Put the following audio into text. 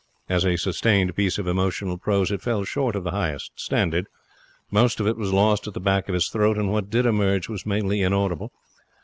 As a sustained piece of emotional prose it fell short of the highest standard. Most of it was lost at the back of his throat, and what did emerge was mainly inaudible.